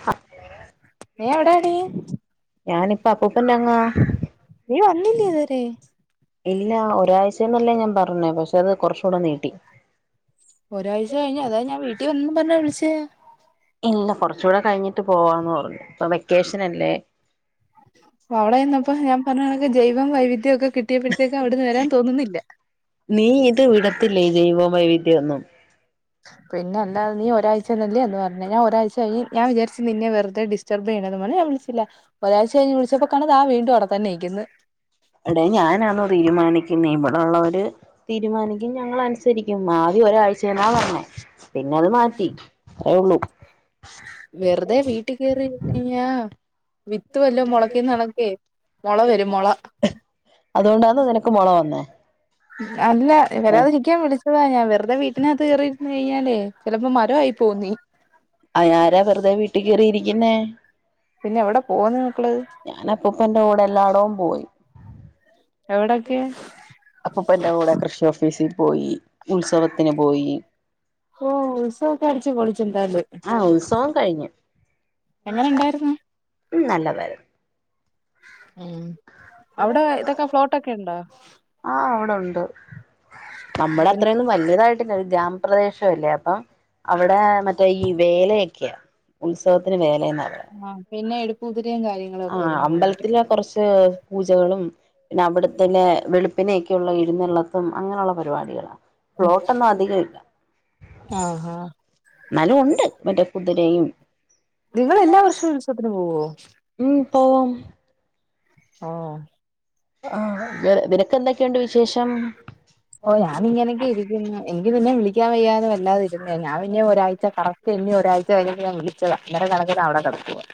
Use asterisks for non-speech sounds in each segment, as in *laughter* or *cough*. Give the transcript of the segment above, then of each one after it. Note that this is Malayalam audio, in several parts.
ഹ നീ എന്താടി, എവിടാടി ഞാൻ ഇപ്പോൾ അപ്പൂപ്പന്റയ് അങ്ങ് ആ. വന്നില്ലിയോ ഇതുവരെ? ഇല്ല ഒരാഴ്ച എന്നല്ലേ ഞാൻ - പറഞ്ഞത്, പക്ഷെ അത് കുറച്ചു കൂടി നീട്ടി. ഒരാഴ്ച കഴിഞ്ഞ് അതാ, ഞാൻ വീട്ടിൽ വന്നത്. പറഞ്ഞ വിളിച്ച ഇല്ല കുറച്ചൂടെ കഴിഞ്ഞിട്ട് പോവാന്ന് പറഞ്ഞു വെക്കേഷനല്ലേ അവിടെ ഇന്നപ്പൊ ഞാൻ പറഞ്ഞ ജൈവം വൈവിധ്യം ഒക്കെ കിട്ടിയപ്പോഴത്തേക്ക് അവിടുന്ന് വരാൻ തോന്നുന്നില്ല നീ ഇത് വിടത്തില്ലേ ജൈവമായിൈ വി *unintelligible* ഒന്നും പിന്നെ എന്താ നീ ഒരാഴ്ചന്നല്ലേ എന്ന് പറഞ്ഞ ഞാൻ ഒരാഴ്ച കഴിഞ് ഞാൻ വിചാരിച്ച് നിന്നെ വെറുതെ ഡിറ്റർബ് ചെയ്യണത വേ ഞാൻ വിളിച്ചില്ല ഒരാഴ്ച കഴിഞ്ഞ് വിളിച്ചപ്പകാണാ ദാ വീണ്ടും അവിടെത്തന്നെ നിക്കുന്ന് എടെ ഞാനാന്ന തീരുമാനിക്കുന്ന ഇവിടെള്ളവര് തീരുമാനിക്കും ഞങ്ങൾ അനുസരിക്കും മാവി ഒരാഴ്ചേന്ന പറഞ്ഞെ വെറുതെ വീട്ട കയറി്യാ വിത്ത് വല്ല മുളക്കന്ന്ണക്കേ മുള വരും മുള അതുകൊണ്ടാന്നോ നിനക്ക് മൊള വന്നേ അല്ല വരാതെ ഇരിക്കാൻ വിളിച്ചു ഞൻ വെറുത വീട്ടിനകത്ത് കയറിയിരുന്ന് കഴിഞ്ഞാലേ ചിലപ്പോ മരമായി പോവും നീ അ ആരാ വെറുതെ വീട്ടിൽ കയറിയിരിക്ക ഇന്ന പിന്നെ എവിടെ പോവുന്ന് മക്കള് ഞാന അപ്പപ്പ എറെ കൂടെ എല്ലായിടവും പോയി എവിടൊക്കെ അപ്പപ്പൊ എന്റെ കൂടെ കൃഷി ഓഫീസി പോയി ഉത്സവത്തിന് പോയി ഓ ഉത്സവൊക്കെ അടിച്ച് പൊളിച്ചെന്തായാലും ആഹ ഉത്സവം കഴിഞ്ഞു എങ്ങനെ ഉണ്ടായിരുന്നു ഉ നല്ലതായിരുന്നു ഉം അവിടെ ഇതൊക്കെ ഫ്ലോട്ട്ൊക്കെ ഉണ്ടോ ആഹ് അവിടെ ഉണ്ട് നമ്മുടെ പിന്നെ അത്രയൊന്നും വലിയതായിട്ടില്ല ഒരു ഗ്രാമപ്രദേശം അല്ലേ ആഏ അവിടെ മറ്റേ ഈ വേലൊക്കെയാ ഉത്സവത്തിന് വേലെന്നാ പറുന്നത് ആ പിന്നെ എടുപ്പുതിരയും കാര്യങ്ങളും ആ ഒക്കെ ആയിരിക്കും കൂടുതല് അമ്പലത്തിലെ കുറച്ച് പൂജകളും പിന്നെ അവിടെത്തന്നെ വെള പ്പന്നെയൊക്കെയുള്ള ഇഴുന്നള്ളത്തും അങ്ങനെയുള്ള പരിപാടികളാണ് ആഹഹ എന്നാലും ഉണ്ട് മറ്റേ കുതിരയും നിങ്ങൾ എല്ലാ വർഷവും ഉത്സവത്തിനന് പോവോ ഉം ഓൺ ആഹ ആ നിനക്ക എന്തൊക്കെയുണ്ട് വിശേഷം ഓഞാൻിങ്ങനക്ക ഇുന്ന എങ്കിതിനന്നെ വിിക്ക പിക്കാൻയ്യാന്ന വല്ലതെ ഞാൻെ ഒരാഴ്ച കറ പിെന്നി ഒരാഴ്ച കഴിഞ്ഞഞ് ഞാ വിളിച്ചത അര കണക്കി അടെട പോവാ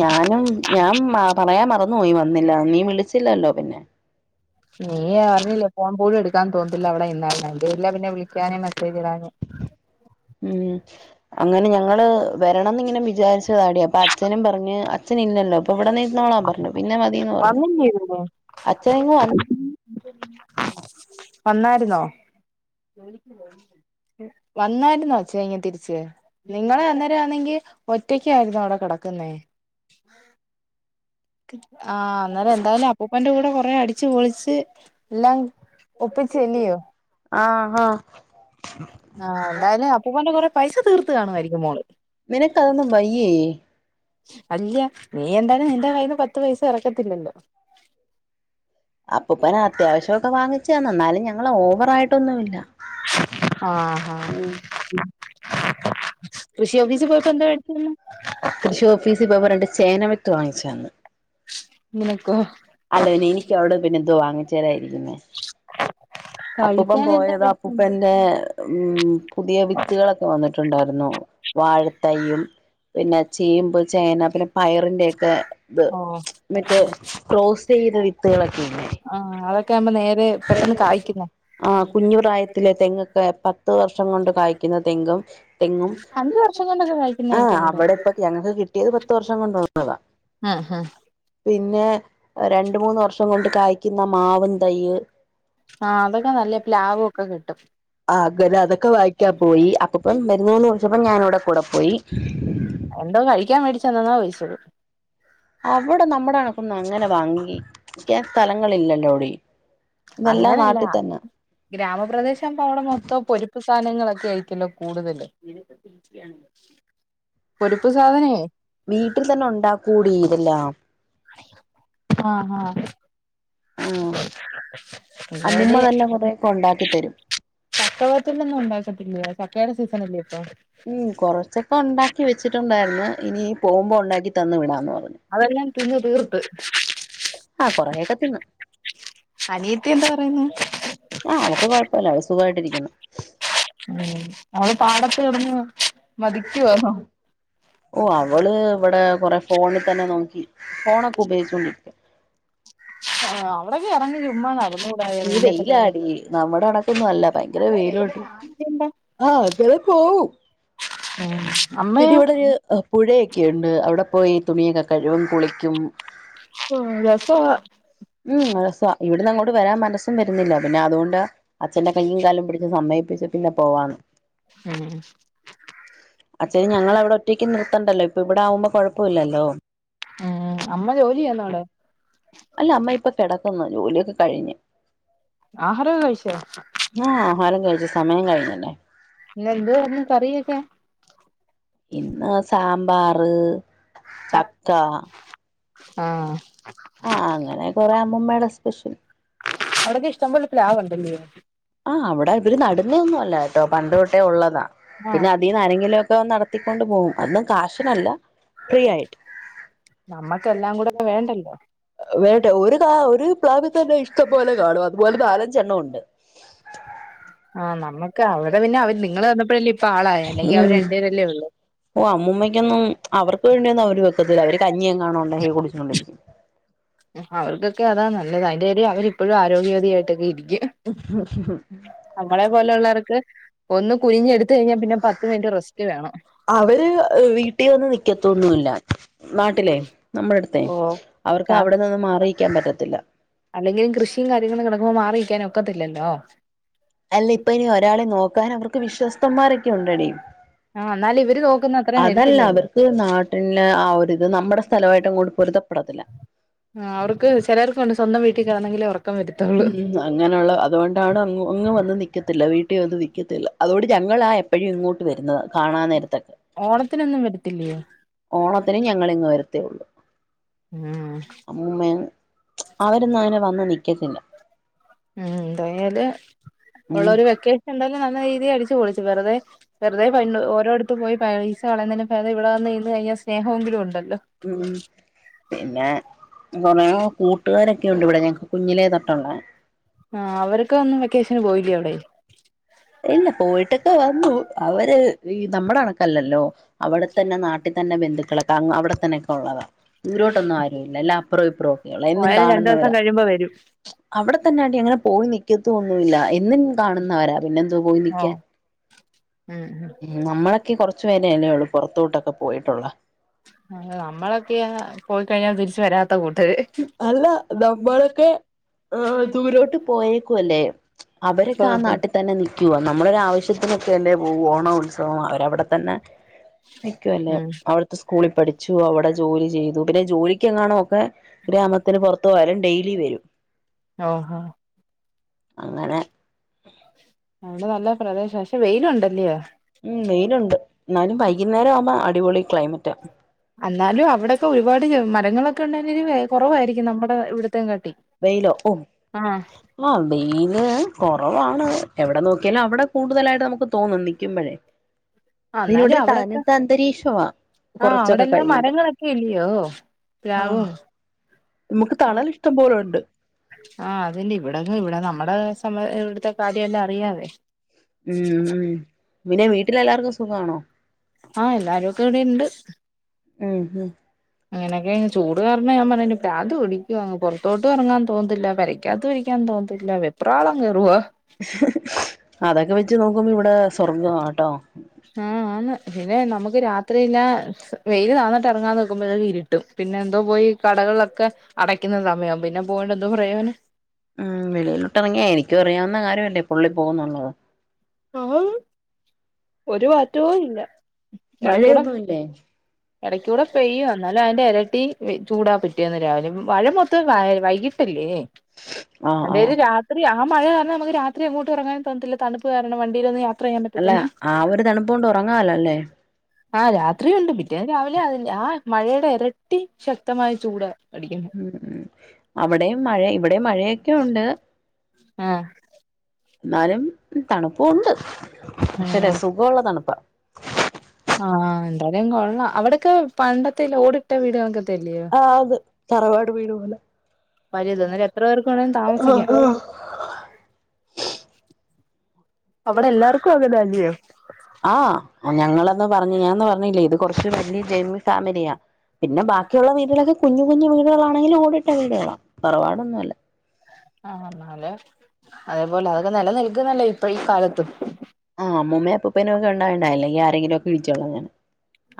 ഞാനും ഞാൻ ആ പറയാ മറ നോയി വന്നില്ല നീ വിളിച്ചില്ലല്ലോ പിന്നെ നീ അഞ്ഞില്ലേ ഫോൺ പോലും എടുക്കാൻ തോന്നുന്നല്ല അവിടെ ഇന്നരി പിന്നെ വിളിക്കാനും മെസ്സേജ് ഇടാനും ഉ അങ്ങനെ ഞങ്ങ നി വരണംനെ വിചാരി ാടി അപ്പൊ അച്ഛും പറഞ്ഞഞ് *unintelligible* ഇവിടെ നിന്നോളൻ പറഞ്ഞു പിന്നെ മതിന്ന് പറഞ്ഞു വന്നില്ലേ ഇതിന് അച്ഛനിങ്ങും..... വന്നായിരുന്നോ വന്നായിരുന്നോച്ച ഇങ്ങ് തിരിച്ച് നിങ്ങളെ അന്നേരം ആണെങ്കി ഒറ്റക്കായിരുന്നോ അവിടെ കിടക്കുന്നേ *inaudible* ആഹ് അന്നേരം എന്തായാലും അപ്പുപ്പന്റെ കൂടെ കുറെ അടിച്ച് പൊളിച്ച് എല്ലാം ഒപ്പിച്ചല്ലിയോ ആഹ് ആഹ് ആഹ എന്തായാലും അപ്പൂപ്പന്റെ കൊറെ പൈസ തീർത്ത് കാണുമായിരിക്കും മോള് നിനക്കതൊന്നും വയ്യേ അല്ല നീ എന്തായാലും നിന്റെ കൈയിന്ന്‌ പത്ത് പൈസ ഇറക്കത്തില്ലല്ലോ അപ്പൂപ്പന് അത്യാവശ്യമോക്കെ വാങ്ങിച്ച തന്ന് എന്നാലും ഞാ.... *unintelligible* മായിട്ടൊന്നുമില്ല ആഹാ മ് മ് കൃഷി ഓഫീസിൽ പോയിപ്പോ എന്തോ *unintelligible* കൃഷി ഓഫീസിൽ പോയപ്പോ രണ്ട് ചേന വിത്ത് വാങ്ങിച്ചന്ന് നിനക്കോ അല്ലനെ എനിക്ക്വിടെ പിന്നെ ദോ വങ്ങ ചേരായിരുന്നു പിെ അപ്പപ്പ കഴിക്കാൻ എന്താ പോയത മേടിച്ചന്ന് അപ്പൂപ്പന്റെ ഉ പുതിയ വിത്തുകളൊക്കെ വന്നിട്ടുണ്ടായിരുന്നു വാഴത്തൈ്യയും പിന്നെ ചേമ്പ് ചേന പിന്നെ പയറിൻ്റെയൊക്കെ ഇ ഓഹ് മറ്റേ ക്ലോസ് ചെയ്ത വിത്തുകളൊക്കെെലെ ആഹ് അതൊക്കെ ആവുമ്പോ നേരെ പെട്ടെന്ന് കായ്ക്കുന്ന ആ കുഞ്ഞ പ്രായത്തില് തെങ്ങൊക്കെ പത്ത് വർഷം കൊണ്ട് കായ്ക്കുന്ന തെങ്ങും തെങ്ങും അഞ്ച് വർഷം കൊണ്ടൊക്കെ ആ കായ്ക്കുന്നതൊക്കെയുണ്ട് അവിടെ ഇപ്പൊ ഞങ്ങക്ക് കിട്ടിയത് പത്തു വർഷം കൊണ്ട വന്നതാ ആഹ് ആഹ് പിന്നെ രണ്ട മൂന്ന് വർഷം കൊണ്ട് കായ്ക്കുന്ന മാവ തൈയ്യ് ആ അതൊക്കെ നല്ല പ്ലാവ്ഒക്കെ കിട്ടും ആ ഗ അതൊക്കെ വായിക്കാ പോയി അപ്പപ്പം മരുന്നൂന്ന് വർഷപ്പം ഞാന ഇവിടെ കൂടെ പോയി എന്തോ കഴിക്കാൻ മേടിച്ചന്നെന്നാ പിച്ചത് അവിടെ നമ്മുടെ കണക്കന്ന് അങ്ങനെ വാങ്ങി സ്ഥലങ്ങളില്ലല്ലോടി ഇതെല്ലാം അങ്ങനല്ല നാട്ടിൽ തന്നെ ഗ്രാമപ്രദേശം അവിടെ മൊത്ത പൊരുപ്പ് സാധനം. ങ്ങളൊക്കെ ആയിട്ടല്ലോ കൂടുതല് പൊരിപ്പ് സാധനേ *unintelligible* വീട്ടിൽ തന്നെ ഉണ്ടാക്കൂടി ഇതെല്ലാം ആ ആ *inaudible* അമ്മുമ്മ തന്നെ കുറയൊക്കെ ഉണ്ടാക്കിത്തരും ചക്ക വറ്റലോന്നും ഉണ്ടാക്കതില്ലേ ചക്കയുടെ സീസണല്ലേ ഇപ്പ ഉം കൊറച്ചൊക്കെ ഉണ്ടാക്കി വെച്ചിട്ടുണ്ടായിരുന്നു ഇനി പോകുമ്പോൾ ഉണ്ടാക്കി തന്ന് വിടന്നു പറ അതെല്ലാം തിന്ന് തീർത്ത് ആഹ് കൊറെയൊക്കെ തിന്ന് അനിയത്തി എന്ദ് പറയുന്നു ആഹ് അവക്ക് കൊഴപ്പല്ല, അവ സുഖാ യിട്ടിരിക്കുന്നു ഉഉം അവള് പാടത്ത് യോട്ന്ന് മതിക്കുവാണോ ഓ അവള് ഇവടെ കൊറെ ഫോണ് തന്നെ നോക്കി ഫോണൊക്കെ ഉപയോഗിച്ചോണ്ടിരിക്ക ആ അവിടൊക്കെ ഇറങ്ങി ചുമ്മാ നടന്നു കൂടായോ ഈ വെയിലക്കെ വെയിലാടി നമ്മുടെ കണക്കൊന്നും അല്ല ഭയങ്കര വെയിലുണ്ട് ണ്ട. ആഹ അതരെ പോവും. ഉം പിന്നേ അമ്മയോ ഇവിടെ ഈ പുഴയൊക്കെയുണ്ട് അവിടെ പോയി തുണിയൊക്കെ കഴികും കുളിക്കും രസവ ഉം രസ ഇവിടന്നങ്ങോട്ട് വരാൻ മനസ്സും വരുന്നില്ല പിന്നതോണ്ട് *unintelligible* അഛന്റെ കൈയ്യും കാലും പിട് സമ്മയ്പ്പിച്ചിട്ടിന്നെ പോവാന്ന് ആഹ ക്ക് നിർത്തണ്ടല്ലോ ഇപ്പൊ ഇവിടാകുമ്പോ കൊഴപ്പോമില്ലല്ലോ ഉം അമ്മ ജോലിയ ചെയാന്നോടെ അല്ല അമ്മ ഇപ്പൊ കിട *unintelligible* ജോലിയൊക്കെ കഴിഞ്ഞ് ആഹാരൊക്കെ കഴിച്ചോ ആഹ *unintelligible* സമയം കഴിഞ്ഞല്ലേ ഇന്നെന്തുവായിരുന്നു കറിയൊക്കെ ഇന്ന് സാമ്പാർ. *inaudible* ചക്ക ആഹ ആ അങ്ങനെ കൊറ മമ്മേയുടെ സ്പെഷ്യൽ അവടൊക്കെ ഇഷ്ടംപോലെ പ്ലാവുണ്ടല്ലേ ആ അവിടെ ഇവര് നടുന്ന ഒന്നും അല്ല ഏട്ടോ പണ്ട് തൊട്ടേ ഉള്ളതാ ആഹ് പിന്നെ അതീന്ന് ആരെങ്കിലും തോം നടത്തിക്കൊണ്ട് പോകും അന്നും കാശിനല്ല ഫ്രീയായിട്ട് നമ്മക്കെല്ലാം കൂടെ വേണ്ടല്ലോ വരട്ടെ ഒരു കാ ഒരു പ്ലാവി തന്നെ ഇഷ്ടംപോലെ കാണും അതുപോലെ നാലഞ്ചെണ്ണം ഉണ്ട് ആഹ് *inaudible* നമ്മക്ക് അവിടെ പിന്നെ അവര് നിങ്ങള് വന്നപ്പോഴല്ലേ ഇപ്പൊ ആളായെ അല്ലെങ്കി അവര് രണ്ടുപേരല്ലേ ഉള്ളൂ ഉ ഓ അമ്മൂമ്മയ്ക്കൊന്നും അവർക്ക് വേണ്ടിയൊന്നും അവര് വെക്കത്തില്ല അവര് കഞ്ഞിയെങ്ങാണ്ട് ഉണ്ടാക്കി കുടിച്ചോണ്ടിരിക്കും അവർക്കൊക്കെ അതാ നല്ലത് അയിന്റെ ദേ അവരിപ്പോഴും ആരോഗ്യവതിയായിട്ടൊക്കെ ഇരിക് ഉ *inaudible* പോലെയുള്ളവർക്ക് ഒന്ന് കുനിഞ്ഞെടുത്ത് കഴിഞ്ഞാ പിന്നെ പത്ത് മിനിറ്റ് റെസ്റ്റ് വേണം അവര് നാട്ടിലേ നമ്മുടെ അടുത്ത ഓഹ് അവർക്ക് അവിടെ നിന്ന് മാറി ക്കാൻ പറ്റത്തില്ല അല്ലെങ്കിലും കൃഷിയും കാര്യങ്ങളും കിടക്കുമ്പോ മാറി ക്കൻ ഒക്കത്തില്ലല്ലോ അല്ല ഇപ്പൊ ഇനി ഒരാളെ നോക്കാൻ അവർക്ക് വിശ്വസ്തതമാരൊക്കെ ഉണ്ടെടി. ആഹ് എന്നാലും ഇവര് നോക്കുന്ന അത്രയും അതല്ല വരത്തില്ലല്ലോ അവർക്ക് നാട്ടില് ആ ഒരിത് നമ്മടെ സ്ഥലമായിട്ടങ്ങോട്ട് പൊരുത്തപ്പെടാ ആ അവർക്ക് ചിലർക്ക് ഉണ്ട് സ്വന്തം വീട്ടിൽ കിടന്നെങ്കിലെ ഉറക്കം വരത്തുള്ളൂ ഉം അങ്ങനെയുള്ള അതുകൊണ്ടാണ് അങ്ങ് ഒന്ന് വന്ന് നിക്ക നിക്കത്തില്ല വീട്ടിൽ വന്ന് നിക്കത്തില്ല അതോട് ഞങ്ങളാ ആ എപ്പോഴും ഇങ്ങോട്ട് വരുന്നത് കാണാൻ നേരത്തൊക്കെ ഓണത്തിനൊന്നും വരത്തില്ലയോ ഓണത്തിന് ഞങ്ങളിങ് വരും *unintelligible* *unintelligible* ത്തെ ഉള്ളൂ ഉം അമ്മൂമ്മേ അവരന്ന് അങ്ങനെ വന്ന് നിക്ക് നിക്കത്തില്ല ഉം എന്തായല് ഉം ഉള്ളരു വെക്കേശന്തായാലും ഉ നന്നായി ഈ വെറുതെഅടിച്ചുപൊളിച്ചു വെറതെ വെറുതെ ഒരോടൊത്തു പോയി പൈസ കളുന്നതിന് പേദം ഇവിടെ വന്നിരുന്നു കഴിഞ്ഞാൽസ്നേഹെങ്കിലും ഉണ്ട് ഉം പിന്നെ കൊറേ കൂട്ടുകാരൊക്കെുണ്ട് ഇവിടെ കുഞ്ഞിലേ തൊട്ടുള്ളെ ആ അവരൊക്കെ അങ്ങ് വെക്കേഷന് പോയി എവിടെ *unintelligible* ഇല്ല പോയിട്ടൊക്കെ വന്നു അവര് ഈ നമ്മടെ കണക്കല്ലല്ലോ അവിടെത്തന്നെ നാട്ടി തന്നെ ബന്ധു മക്കളൊക്കെ അ അവിടെത്തന്നൊക്കെള്ളത ദൂരോട്ടൊന്നും ആരുംഇല്ല അല്ല അപ്പുറവും ഇപ്പറോം ഒക്കെയള്ള എന്നും പോയാലും രണ്ടു ദിവസം കാണുന്നവരാ കഴിയുമ്പോ വരും അവിടെ തന്നാടി അങ്ങന പോയി നി തൊ ഒന്നുമല്ല എന്ന് കാണുന്നവരാ പിന്നെ എന്തോ പോയി ഓ നിക്കാൻ ഉം ഉം നമ്മളൊക്കെ കൊറച്ചു പേരല്ലേള്ളൂ പുറത്തോട്ടൊക്കെ പോയിട്ടുള്ള ആ നമ്മളൊക്കെയ പോയിക്കഴിഞ്ഞ തിരിച്ച് വരാത്ത കൂട്ടര് അല്ല നമ്മളൊക്കെ ആഹ് ദൂരോട്ട് നിക്കുവ നമ്മളൊരു ആവശ്യത്തിനൊക്കെ അല്ലെപോവു ഓണോഉത്സവവും അവരവിടെത്തന്നെ നിക്കു അല്ലേ ഉം അവിടുത്തെ സ്കൂളിൽ പഠിച്ചു അവിടെ ജോലി ചെയ്തു പിന്നെ ജോലിക്കെങാണോക്കെ ഗ്രാമത്തിന് പുറത്തു പോയാലും ഡെയിലി വരും ഓഹോ അങ്ങനെ അവിടെ നല്ല പ്രദേശ ക്ഷെ വെയിലുണ്ടല്ലയോ ഉം വെയിലുണ്ട് എന്നാലും വൈകുന്നേരം ആവുമ്പോ അടിപൊളി ക്ലൈമ റ്റാ ല്ലാലും അവിടെയൊക്കെ ഒരുപാട് മരങ്ങളൊക്കെ ഉണ്ട കുറവായിരിക്കും നമ്മുടെ ഇവിടത്തെ വെയിലോ ഓ ആ വെയില് കു കുറവാണ്. എവിടെ നോക്കിയാലും അവിടെ കൂടുതലായിട്ട് നമ്മുക്ക് തോന്നും നിൽക്കുമ്പോഴേ ആ പിന്നോട് താനത്ത അന്തരീക്ഷമാ ആഹ അവിടെ എല്ലാം മരങ്ങളൊക്കെ ഇല്ലയോ പ്ലാവും ആഹ് നമുക്ക് തണൽ ഇഷ്ടം പോലെ *unintelligible* ഉണ്ട് ആ അതിന് ഇവിടെങ്ങ് ഇവിടെ നമ്മടെ നമ്മ ഇവിടുത്തെ കാര്യമെല്ലാം അറിയാതെ ഉം ഉംപിന്നെ വീട്ടിലെ എല്ലാവർക്കും സുഖമാണോ ആഹ എല്ലാരും ഒക്കെ ഇവിടെണ്ട് ഉം ഉം അങ്ങനെയൊക്കെ ചൂട് കാരണം ഞാൻ പറഞ്ഞ പ്രാന്ത് പിടിക്കുവാ പുറത്തോട്ട് ഇറങ്ങാൻ തോന്നത്തില്ല പെരക്കാത്ത് ഇരിക്കാൻ തോന്നത്തില്ല വെപ്രാളം കയറുവാ അതൊക്കെ വെച്ച് നോക്കുമ്പോ ഇവിടെ സ്വർഗം ആട്ടോ ആ ആന്ന് പിന്നെ നമ്മുക്ക് രാത്രില്ല വെയിൽ താന്നിട്ട് ഇറങ്ങാൻ നോക്കുമ്പോ ഇരുട്ടും പിന്നെ എന്തോ പോയി കടകളിലൊക്കെ അടക്കുന്ന സമയവും പിന്നെ പോയിണ്ട് എന്തോ പ്രയോജനം ഉം വെളിയിലിട്ടിറങ്ങിയാ എനിക്കും അറിയാവുന്ന കാര്യമല്ലേ പുള്ളി പോകുന്നുള്ളത് ആഹ് ഒരു മാറ്റവും ഇല്ല എടക്കൂട മഴയൊന്നുമില്ലേ ഇടയ്ക്ക കൂടെ പെയ്യ എന്നാലും അതിന്റെ ട്ടി ചൂടാ കിട്ടിയത് രാവിലെ മഴ മൊത്ത വൈകിട്ടല്ലേ ആഹ് ആഹ് അല്ലേലും രാത്രി അഹം മഴ കാരണം നമക്ക് രാത്രി അങ്ങോട്ട് ഇറങ്ങാൻതോന്നതില്ല തണുപ്പ് കാരണം വണ്ടീലൊന്നും യാത്ര ചെയ്യാൻ അല്ല പറ്റത്തില്ല ആ ഒരു തണുപ്പ കൊണ്ട് ഉറങ്ങാലോ അല്ലേ ആഹ് രാത്രിയുണ്ട് പിറ്റേന്ന് രാവിലെ അതിന്റെ ആ മഴയുടെ ഇരട്ടി ശക്തമായ ചൂട് ഉം ഉ അവിടെയും മഴ ഇവിടെ മഴയ ഒക്കെ ഉണ്ട് ആഹ എന്നാലും തണുപ്പുണ്ട് പക്ഷേല്ലേ ഉം സുഖമുള്ള തണുപ്പാ *inaudible* ആഹ എന്തായാലും കൊള്ളാം അവിടൊക്കെ പണ്ടത്തെ ഓടിട്ട വീടുകളൊക്കെ ആന്ന് തറവാട് വീട് പോലെ വലുത് അന്നേരം എത്ര പേർക്ക് വേണേലും താമസിക്കാം അവിടെ എല്ലാവർക്കും അങ്ങനെ അല്ലയോ ആഹ് ഞങ്ങളന്ന് പറഞ് ഞാ അന്ന് പർ ഞ്ഞിലെ ഇത് കൊർച്ച് വല്യേ ജെമ്മി ഫാമിലിയാ പിന്നെ ബാക്കിയുള്ള വീടുകളക്കെ കുഞ്ഞു കുഞ്ഞു വീ വീടുകളാണെങ്കിലും ഓടിട്ട വീടുകളാ. തറവാടൊന്നുമല്ല ആഹ് ന്നാല് അതേപോലെ അതൊക്കെ നില നിൽകുന്നല്ലോ ഇപ്പഴ് ഈ കാലത്തും. ആഹ് അമ്മൂമ്മേം അപ്പൂപ്പനൊക്കെ ണ്ടായോണ്ടാ അല്ലെങ്കി ആരെങ്കിലും ഒക്കെ പിഴിച്ച് കളഞ്ഞെനേ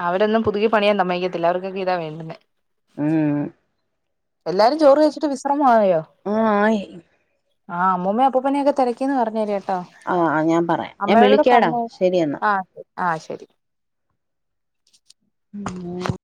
അവടോന്നും പുതുക്കി പണിയാൻ തമ്മയ്ക്കത്തില്ല അവർക്ക് വേക്കിതാവേണ്ടുന്നേ ഉം എല്ലാരും ചോറ് കഴിച്ചിട്ട് വിശ്രമം ആയോ? ആ ആയി ആഹ് അമ്മുമ്മെ അപ്പൂപ്പനെക്കെ തെരക്കീന്ന് പർഞ്ഞേര് ട്ടൊ ആ ആ, ഞാൻ പറയാം ഞാൻ അമ്മയോടൂടെ വിളിക്കാടാ പറേണെ ശരി എന്നാ ആഹ് ആഹ് ശെരി. ഉം